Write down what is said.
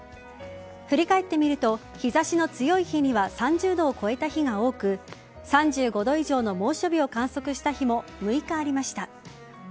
振り返ってみると日差しの強い日には３０度を超えた日が多く３５度以上の猛暑日を観測した日も６日ありました。